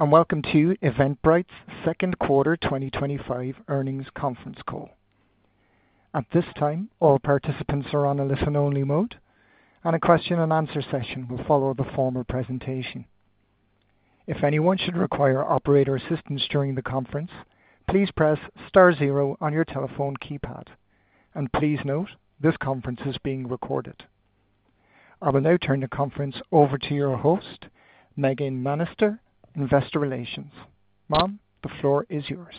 Welcome to Eventbrite's Second Quarter 2025 Earnings Conference Call. At this time, all participants are on a listen-only mode, and a question-and-answer session will follow the formal presentation. If anyone should require operator assistance during the conference, please press *0 on your telephone keypad. Please note, this conference is being recorded. I will now turn the conference over to your host, Megan Manaster, Investor Relations. Ma'am, the floor is yours.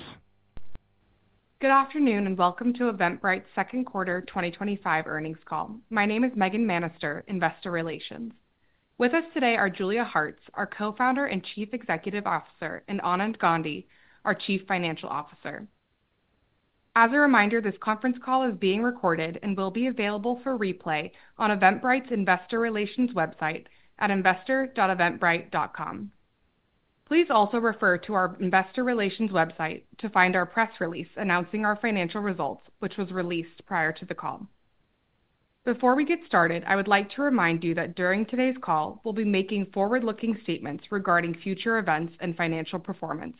Good afternoon and welcome to Eventbrite's second quarter 2025 earnings call. My name is Megan Manaster, Investor Relations. With us today are Julia Hartz, our Co-Founder and Chief Executive Officer, and Anand Gandhi, our Chief Financial Officer. As a reminder, this conference call is being recorded and will be available for replay on Eventbrite's Investor Relations website at investor.eventbrite.com. Please also refer to our Investor Relations website to find our press release announcing our financial results, which was released prior to the call. Before we get started, I would like to remind you that during today's call, we'll be making forward-looking statements regarding future events and financial performance.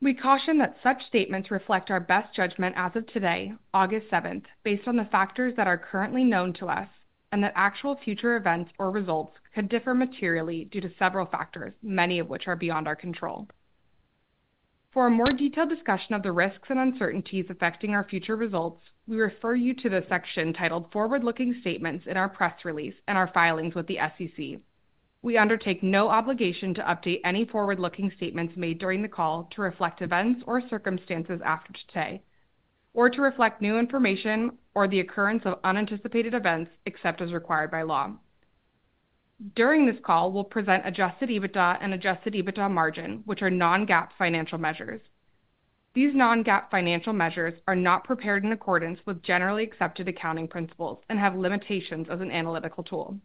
We caution that such statements reflect our best judgment as of today, August 7, based on the factors that are currently known to us and that actual future events or results could differ materially due to several factors, many of which are beyond our control. For a more detailed discussion of the risks and uncertainties affecting our future results, we refer you to the section titled Forward-Looking Statements in our press release and our filings with the SEC. We undertake no obligation to update any forward-looking statements made during the call to reflect events or circumstances after today or to reflect new information or the occurrence of unanticipated events, except as required by law. During this call, we'll present adjusted EBITDA and adjusted EBITDA margin, which are non-GAAP financial measures. These non-GAAP financial measures are not prepared in accordance with generally accepted accounting principles and have limitations as an analytical tool.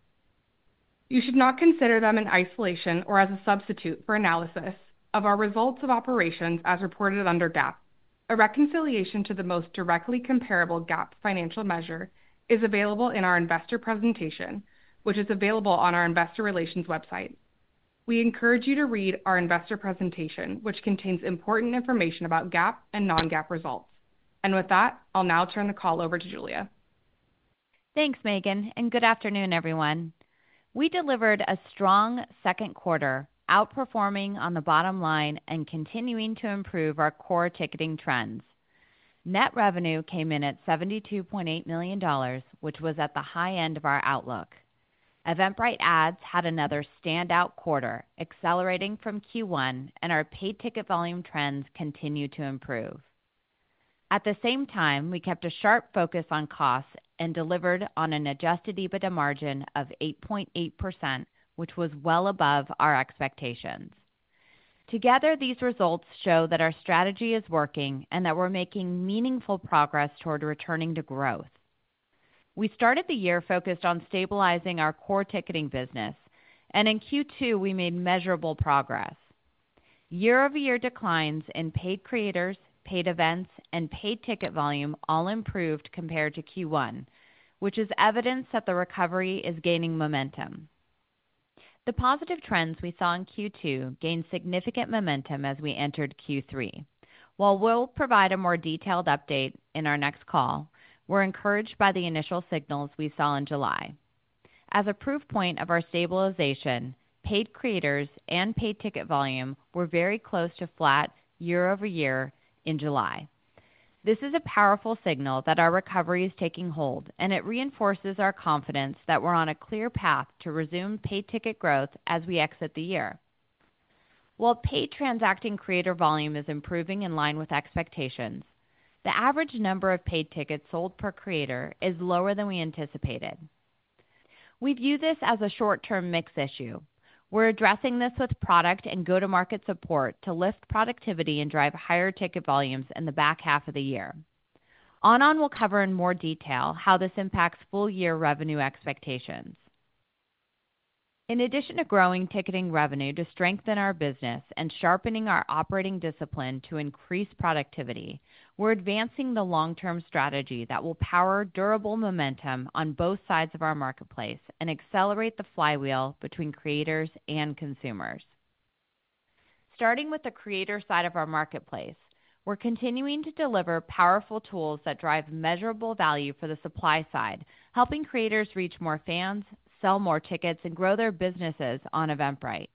You should not consider them in isolation or as a substitute for analysis of our results of operations as reported under GAAP. A reconciliation to the most directly comparable GAAP financial measure is available in our investor presentation, which is available on our Investor Relations website. We encourage you to read our investor presentation, which contains important information about GAAP and non-GAAP results. With that, I'll now turn the call over to Julia. Thanks, Megan, and good afternoon, everyone. We delivered a strong second quarter, outperforming on the bottom line and continuing to improve our core ticketing trends. Net revenue came in at $72.8 million, which was at the high end of our outlook. Eventbrite Ads had another standout quarter, accelerating from Q1, and our paid ticket volume trends continue to improve. At the same time, we kept a sharp focus on costs and delivered on an adjusted EBITDA margin of 8.8%, which was well above our expectations. Together, these results show that our strategy is working and that we're making meaningful progress toward returning to growth. We started the year focused on stabilizing our core ticketing business, and in Q2, we made measurable progress. Year-over-year declines in paid creators, paid events, and paid ticket volume all improved compared to Q1, which is evidence that the recovery is gaining momentum. The positive trends we saw in Q2 gained significant momentum as we entered Q3. While we'll provide a more detailed update in our next call, we're encouraged by the initial signals we saw in July. As a proof point of our stabilization, paid creators and paid ticket volume were very close to flat year-over-year in July. This is a powerful signal that our recovery is taking hold, and it reinforces our confidence that we're on a clear path to resumed paid ticket growth as we exit the year. While paid transacting creator volume is improving in line with expectations, the average number of paid tickets sold per creator is lower than we anticipated. We view this as a short-term mix issue. We're addressing this with product and go-to-market support to lift productivity and drive higher ticket volumes in the back half of the year. Anand will cover in more detail how this impacts full-year revenue expectations. In addition to growing ticketing revenue to strengthen our business and sharpening our operating discipline to increase productivity, we're advancing the long-term strategy that will power durable momentum on both sides of our marketplace and accelerate the flywheel between creators and consumers. Starting with the creator side of our marketplace, we're continuing to deliver powerful tools that drive measurable value for the supply side, helping creators reach more fans, sell more tickets, and grow their businesses on Eventbrite.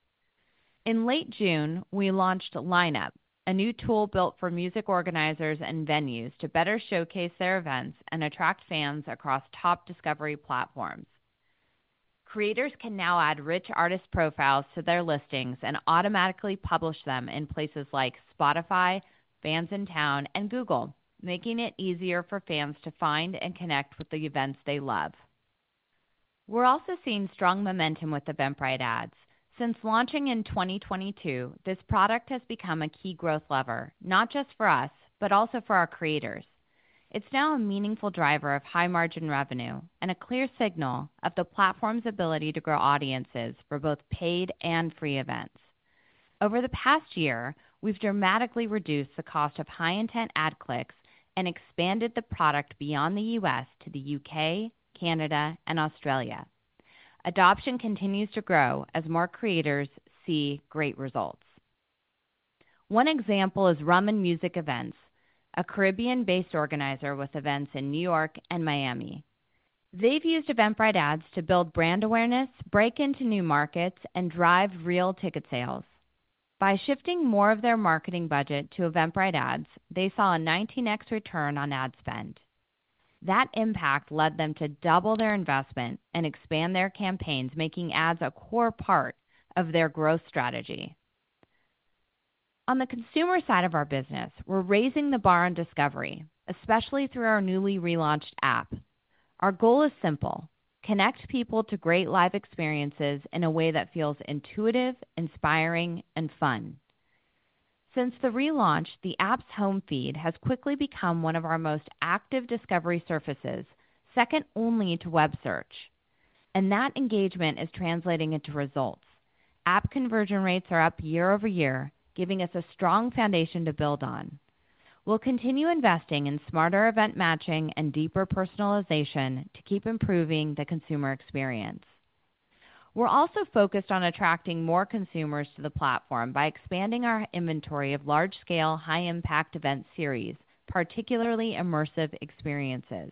In late June, we launched Lineup, a new tool built for music organizers and venues to better showcase their events and attract fans across top discovery platforms. Creators can now add rich artist profiles to their listings and automatically publish them in places like Spotify, Fans in Town, and Google, making it easier for fans to find and connect with the events they love. We're also seeing strong momentum with Eventbrite Ads. Since launching in 2022, this product has become a key growth lever, not just for us, but also for our creators. It's now a meaningful driver of high margin revenue and a clear signal of the platform's ability to grow audiences for both paid and free events. Over the past year, we've dramatically reduced the cost of high-intent ad clicks and expanded the product beyond the U.S. to the U.K., Canada, and Australia. Adoption continues to grow as more creators see great results. One example is Rum and Music Events, a Caribbean-based organizer with events in New York and Miami. They've used Eventbrite Ads to build brand awareness, break into new markets, and drive real ticket sales. By shifting more of their marketing budget to Eventbrite Ads, they saw a 19x return on ad spend. That impact led them to double their investment and expand their campaigns, making ads a core part of their growth strategy. On the consumer side of our business, we're raising the bar on discovery, especially through our newly relaunched app. Our goal is simple: connect people to great live experiences in a way that feels intuitive, inspiring, and fun. Since the relaunch, the app's home feed has quickly become one of our most active discovery surfaces, second only to web search. That engagement is translating into results. App conversion rates are up year over year, giving us a strong foundation to build on. We'll continue investing in smarter event matching and deeper personalization to keep improving the consumer experience. We're also focused on attracting more consumers to the platform by expanding our inventory of large-scale, high-impact event series, particularly immersive experiences.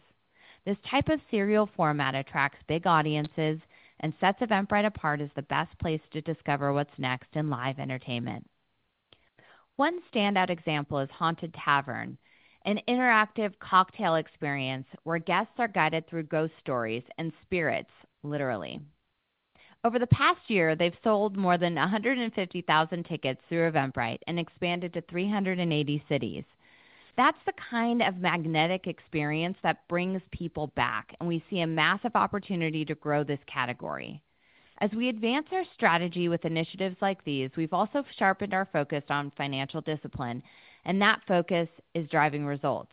This type of serial format attracts big audiences and sets Eventbrite apart as the best place to discover what's next in live entertainment. One standout example is Haunted Tavern, an interactive cocktail experience where guests are guided through ghost stories and spirits, literally. Over the past year, they've sold more than 150,000 tickets through Eventbrite and expanded to 380 cities. That's the kind of magnetic experience that brings people back, and we see a massive opportunity to grow this category. As we advance our strategy with initiatives like these, we've also sharpened our focus on financial discipline, and that focus is driving results.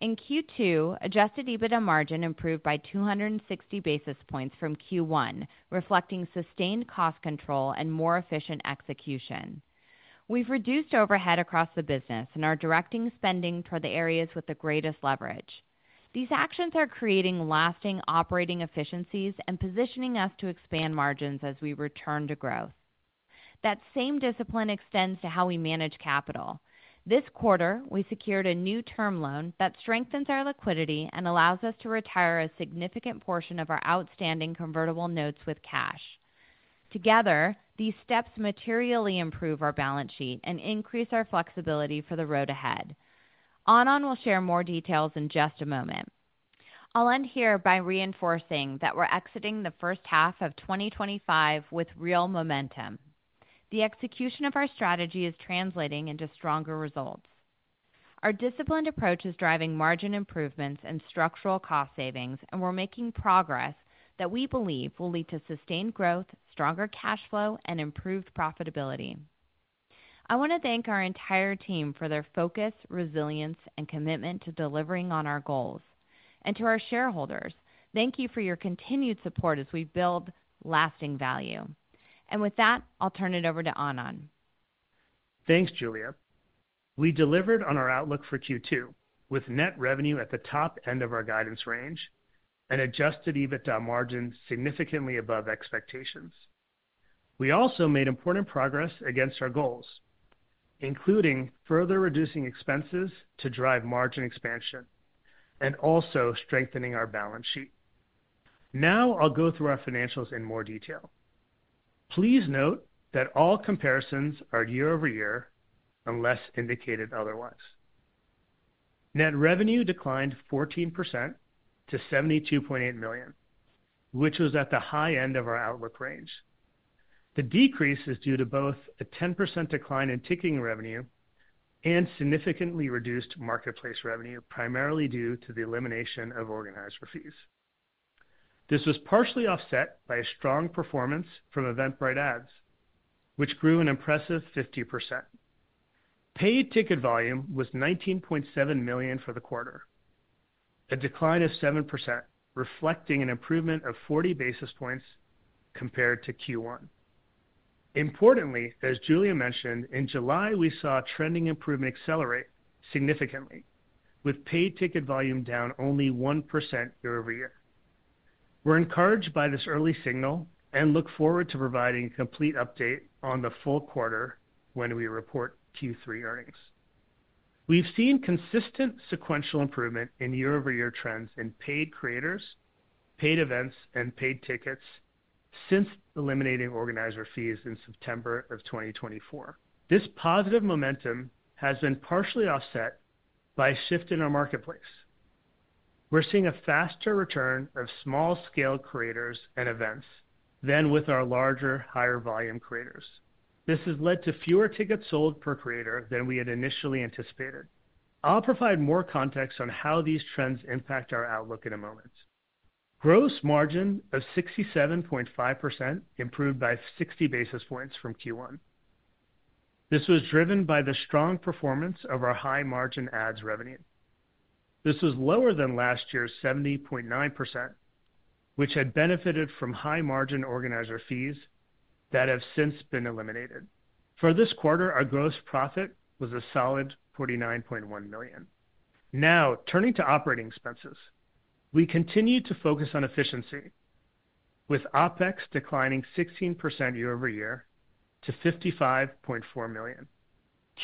In Q2, adjusted EBITDA margin improved by 260 basis points from Q1, reflecting sustained cost control and more efficient execution. We've reduced overhead across the business and are directing spending toward the areas with the greatest leverage. These actions are creating lasting operating efficiencies and positioning us to expand margins as we return to growth. That same discipline extends to how we manage capital. This quarter, we secured a new term loan that strengthens our liquidity and allows us to retire a significant portion of our outstanding convertible notes with cash. Together, these steps materially improve our balance sheet and increase our flexibility for the road ahead. Anand will share more details in just a moment. I'll end here by reinforcing that we're exiting the first half of 2025 with real momentum. The execution of our strategy is translating into stronger results. Our disciplined approach is driving margin improvements and structural cost savings, and we're making progress that we believe will lead to sustained growth, stronger cash flow, and improved profitability. I want to thank our entire team for their focus, resilience, and commitment to delivering on our goals. To our shareholders, thank you for your continued support as we build lasting value. With that, I'll turn it over to Anand. Thanks, Julia. We delivered on our outlook for Q2 with net revenue at the top end of our guidance range and adjusted EBITDA margin significantly above expectations. We also made important progress against our goals, including further reducing expenses to drive margin expansion and also strengthening our balance sheet. Now I'll go through our financials in more detail. Please note that all comparisons are year over year unless indicated otherwise. Net revenue declined 14% to $72.8 million, which was at the high end of our outlook range. The decrease is due to both a 10% decline in ticketing revenue and significantly reduced marketplace revenue, primarily due to the elimination of organizer fees. This was partially offset by a strong performance from Eventbrite Ads, which grew an impressive 50%. Paid ticket volume was 19.7 million for the quarter, a decline of 7%, reflecting an improvement of 40 basis points compared to Q1. Importantly, as Julia mentioned, in July, we saw trending improvement accelerate significantly, with paid ticket volume down only 1% year over year. We're encouraged by this early signal and look forward to providing a complete update on the full quarter when we report Q3 earnings. We've seen consistent sequential improvement in year-over-year trends in paid creators, paid events, and paid tickets since eliminating organizer fees in September of 2024. This positive momentum has been partially offset by a shift in our marketplace. We're seeing a faster return of small-scale creators and events than with our larger, higher volume creators. This has led to fewer tickets sold per creator than we had initially anticipated. I'll provide more context on how these trends impact our outlook in a moment. Gross margin of 67.5% improved by 60 basis points from Q1. This was driven by the strong performance of our high margin ads revenue. This was lower than last year's 70.9%, which had benefited from high margin organizer fees that have since been eliminated. For this quarter, our gross profit was a solid $49.1 million. Now, turning to operating expenses, we continue to focus on efficiency, with OpEx declining 16% year over year to $55.4 million.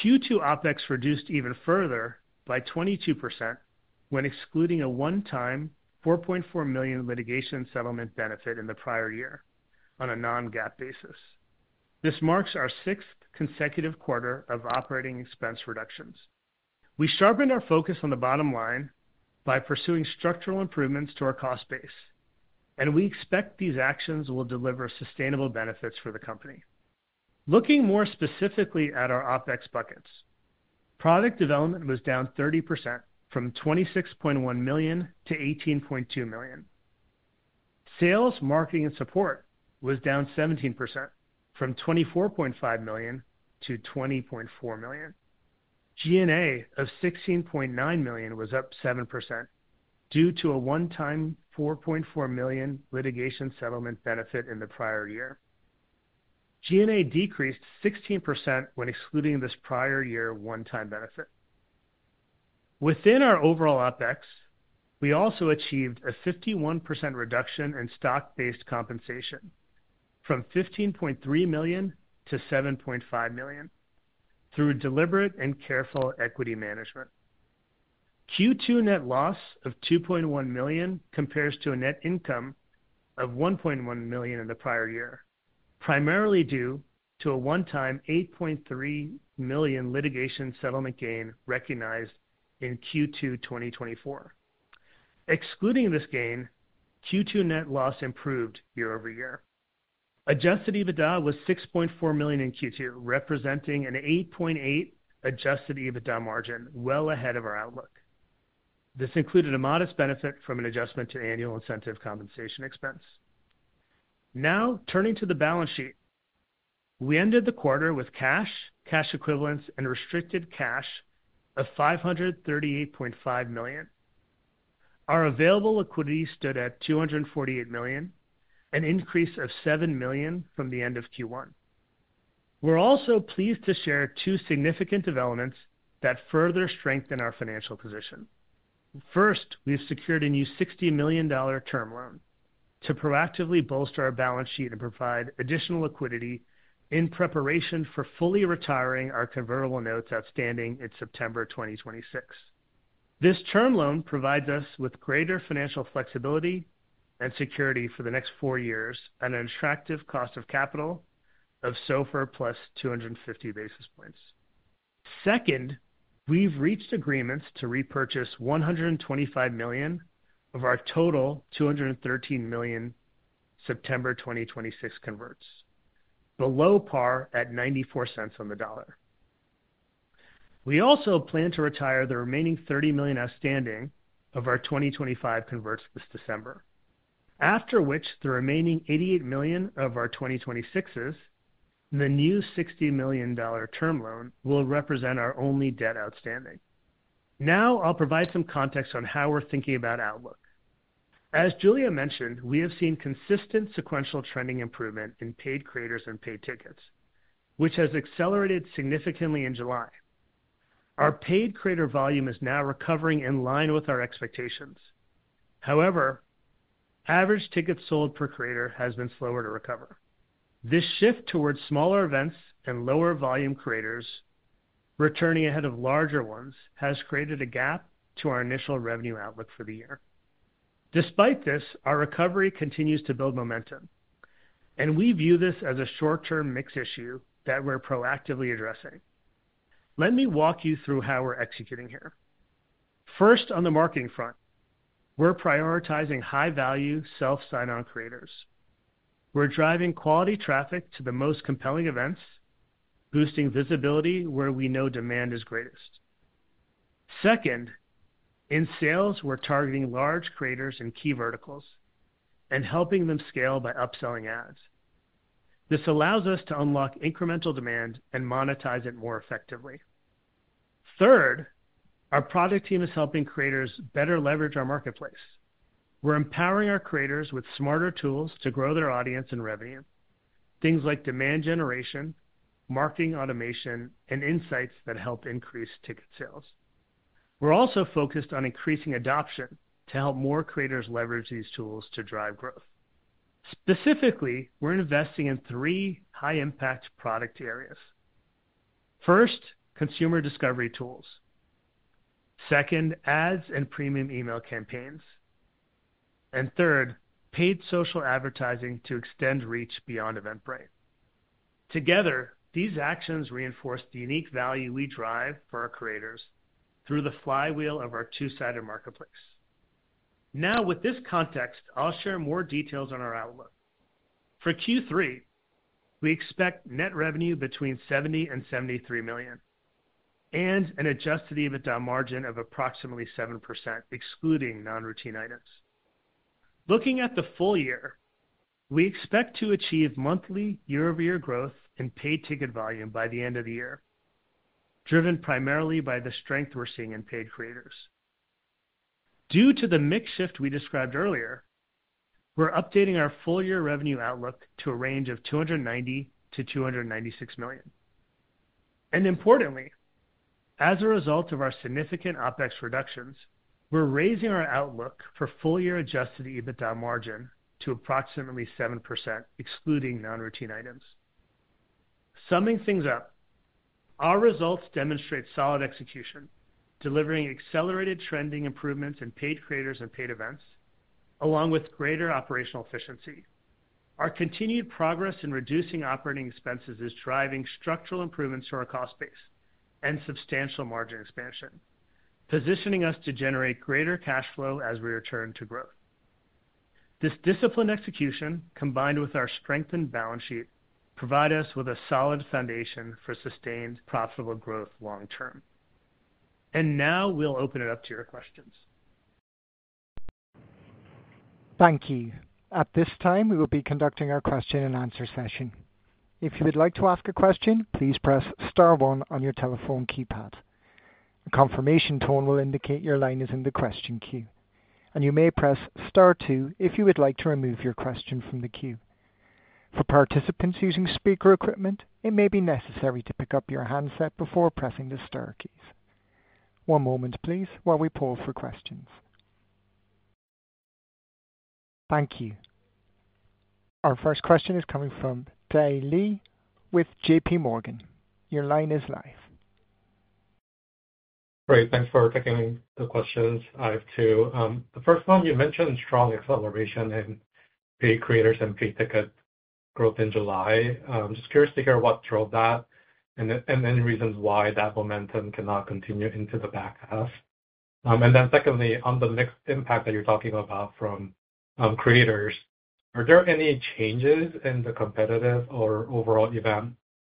Q2 OpEx reduced even further by 22% when excluding a one-time $4.4 million litigation settlement benefit in the prior year on a non-GAAP basis. This marks our sixth consecutive quarter of operating expense reductions. We sharpened our focus on the bottom line by pursuing structural improvements to our cost base, and we expect these actions will deliver sustainable benefits for the company. Looking more specifically at our OpEx buckets, product development was down 30% from $26.1 million-$18.2 million. Sales, marketing, and support was down 17% from $24.5 million-$20.4 million. G&A of $16.9 million was up 7% due to a one-time $4.4 million litigation settlement benefit in the prior year. G&A decreased 16% when excluding this prior year one-time benefit. Within our overall OpEx, we also achieved a 51% reduction in stock-based compensation from $15.3 million-$7.5 million through deliberate and careful equity management. Q2 net loss of $2.1 million compares to a net income of $1.1 million in the prior year, primarily due to a one-time $8.3 million litigation settlement gain recognized in Q2 2024. Excluding this gain, Q2 net loss improved year over year. Adjusted EBITDA was $6.4 million in Q2, representing an 8.8% adjusted EBITDA margin, well ahead of our outlook. This included a modest benefit from an adjustment to annual incentive compensation expense. Now, turning to the balance sheet, we ended the quarter with cash, cash equivalents, and restricted cash of $538.5 million. Our available liquidity stood at $248 million, an increase of $7 million from the end of Q1. We're also pleased to share two significant developments that further strengthen our financial position. First, we've secured a new $60 million term loan to proactively bolster our balance sheet and provide additional liquidity in preparation for fully retiring our convertible notes outstanding in September 2026. This term loan provides us with greater financial flexibility and security for the next four years at an attractive cost of capital of SOFR plus 250 basis points. Second, we've reached agreements to repurchase $125 million of our total $213 million September 2026 converts, below par at $0.94 on the dollar. We also plan to retire the remaining $30 million outstanding of our 2025 converts this December, after which the remaining $88 million of our 2026s, the new $60 million term loan will represent our only debt outstanding. Now, I'll provide some context on how we're thinking about outlook. As Julia mentioned, we have seen consistent sequential trending improvement in paid creators and paid tickets, which has accelerated significantly in July. Our paid creator volume is now recovering in line with our expectations. However, average tickets sold per creator has been slower to recover. This shift towards smaller events and lower volume creators, returning ahead of larger ones, has created a gap to our initial revenue outlook for the year. Despite this, our recovery continues to build momentum, and we view this as a short-term mix issue that we're proactively addressing. Let me walk you through how we're executing here. First, on the marketing front, we're prioritizing high-value self-sign-on creators. We're driving quality traffic to the most compelling events, boosting visibility where we know demand is greatest. Second, in sales, we're targeting large creators in key verticals and helping them scale by upselling ads. This allows us to unlock incremental demand and monetize it more effectively. Third, our product team is helping creators better leverage our marketplace. We're empowering our creators with smarter tools to grow their audience and revenue, things like demand generation, marketing automation, and insights that help increase ticket sales. We're also focused on increasing adoption to help more creators leverage these tools to drive growth. Specifically, we're investing in three high-impact product areas. First, consumer discovery tools. Second, ads and premium email campaigns. Third, paid social advertising to extend reach beyond Eventbrite. Together, these actions reinforce the unique value we drive for our creators through the flywheel of our two-sided marketplace. Now, with this context, I'll share more details on our outlook. For Q3, we expect net revenue between $70 million and $73 million and an adjusted EBITDA margin of approximately 7%, excluding non-routine items. Looking at the full year, we expect to achieve monthly year-over-year growth in paid ticket volume by the end of the year, driven primarily by the strength we're seeing in paid creators. Due to the mix shift we described earlier, we're updating our full-year revenue outlook to a range of $290 million-$296 million. Importantly, as a result of our significant OpEx reductions, we're raising our outlook for full-year adjusted EBITDA margin to approximately 7%, excluding non-routine items. Summing things up, our results demonstrate solid execution, delivering accelerated trending improvements in paid creators and paid events, along with greater operational efficiency. Our continued progress in reducing operating expenses is driving structural improvements to our cost base and substantial margin expansion, positioning us to generate greater cash flow as we return to growth. This disciplined execution, combined with our strengthened balance sheet, provides us with a solid foundation for sustained profitable growth long term. We will now open it up to your questions. Thank you. At this time, we will be conducting our question-and-answer session. If you would like to ask a question, please press *1 on your telephone keypad. A confirmation tone will indicate your line is in the question queue, and you may press *2 if you would like to remove your question from the queue. For participants using speaker equipment, it may be necessary to pick up your handset before pressing the * keys. One moment, please, while we pull for questions. Thank you. Our first question is coming from Dae Lee with JP Morgan. Your line is live. Great. Thanks for taking the questions live too. The first one, you mentioned strong acceleration in paid creators and paid ticket growth in July. I'm just curious to hear what drove that and any reasons why that momentum cannot continue into the back half. Secondly, on the mixed impact that you're talking about from creators, are there any changes in the competitive or overall event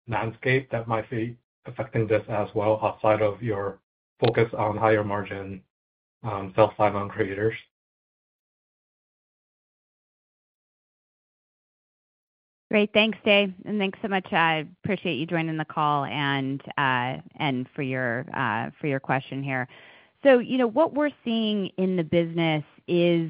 landscape that might be affecting this as well, outside of your focus on higher margin self-sign-on creators? Great. Thanks, Dae. Thanks so much. I appreciate you joining the call and for your question here. What we're seeing in the business is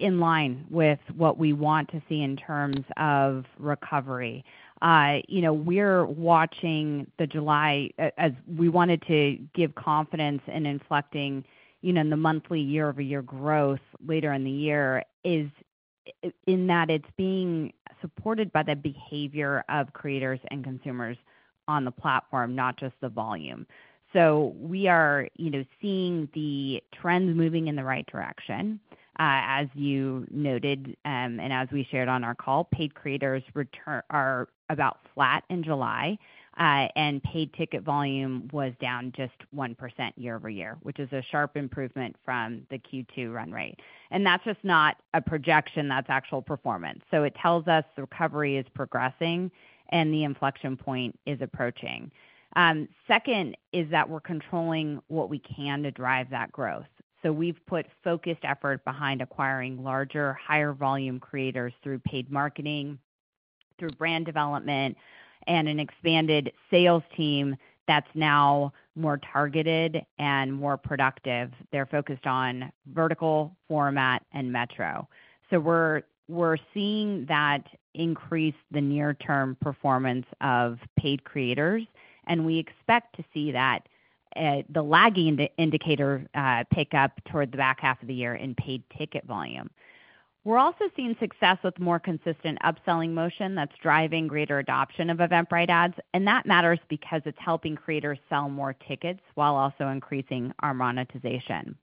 in line with what we want to see in terms of recovery. We're watching July, as we wanted to give confidence in inflecting in the monthly year-over-year growth later in the year, in that it's being supported by the behavior of creators and consumers on the platform, not just the volume. We are seeing the trends moving in the right direction. As you noted, and as we shared on our call, paid creators' return are about flat in July, and paid ticket volume was down just 1% year over year, which is a sharp improvement from the Q2 run rate. That's just not a projection. That's actual performance. It tells us the recovery is progressing and the inflection point is approaching. Second is that we're controlling what we can to drive that growth. We've put focused effort behind acquiring larger, higher volume creators through paid marketing, through brand development, and an expanded sales team that's now more targeted and more productive. They're focused on vertical, format, and metro. We're seeing that increase the near-term performance of paid creators, and we expect to see that lagging indicator take up toward the back half of the year in paid ticket volume. We're also seeing success with more consistent upselling motion that's driving greater adoption of Eventbrite Ads, and that matters because it's helping creators sell more tickets while also increasing our monetization.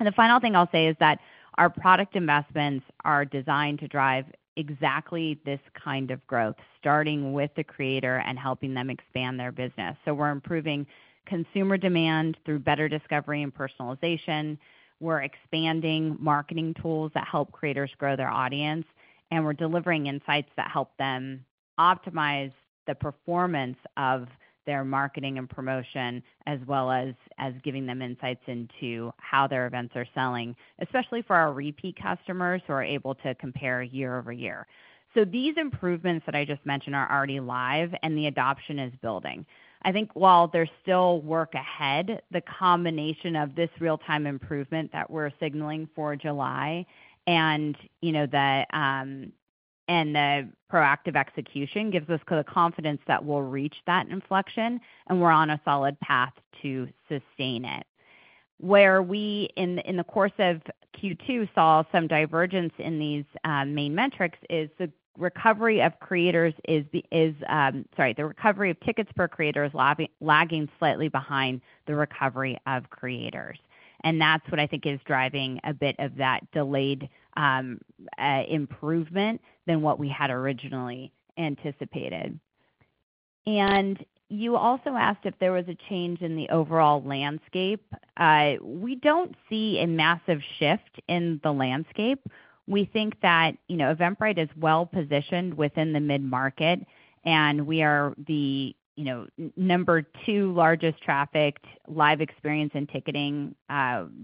The final thing I'll say is that our product investments are designed to drive exactly this kind of growth, starting with the creator and helping them expand their business. We're improving consumer demand through better discovery and personalization. We're expanding marketing tools that help creators grow their audience, and we're delivering insights that help them optimize the performance of their marketing and promotion, as well as giving them insights into how their events are selling, especially for our repeat customers who are able to compare year over year. These improvements that I just mentioned are already live, and the adoption is building. I think while there's still work ahead, the combination of this real-time improvement that we're signaling for July and the proactive execution gives us the confidence that we'll reach that inflection, and we're on a solid path to sustain it. Where we, in the course of Q2, saw some divergence in these main metrics is the recovery of tickets per creator is lagging slightly behind the recovery of creators. That's what I think is driving a bit of that delayed improvement than what we had originally anticipated. You also asked if there was a change in the overall landscape. We don't see a massive shift in the landscape. We think that, you know, Eventbrite is well positioned within the mid-market, and we are the, you know, number two largest trafficked live experience and ticketing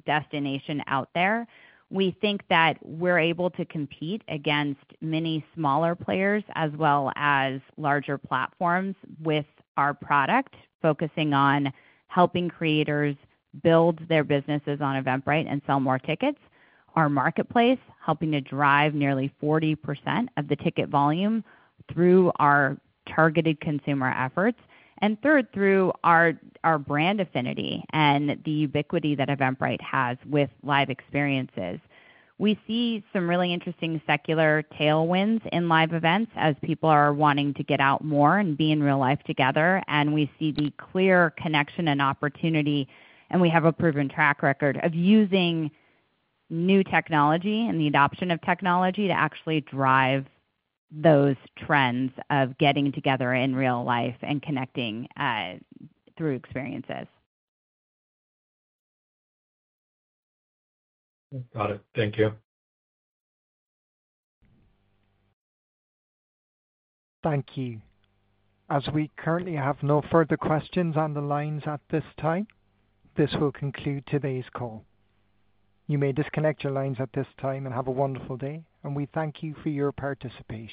destination out there. We think that we're able to compete against many smaller players, as well as larger platforms with our product, focusing on helping creators build their businesses on Eventbrite and sell more tickets. Our marketplace is helping to drive nearly 40% of the ticket volume through our targeted consumer efforts. Third, through our brand affinity and the ubiquity that Eventbrite has with live experiences. We see some really interesting secular tailwinds in live events as people are wanting to get out more and be in real life together. We see the clear connection and opportunity, and we have a proven track record of using new technology and the adoption of technology to actually drive those trends of getting together in real life and connecting through experiences. Got it. Thank you. Thank you. As we currently have no further questions on the lines at this time, this will conclude today's call. You may disconnect your lines at this time and have a wonderful day, and we thank you for your participation.